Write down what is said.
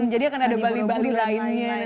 jadi akan ada bali bali lainnya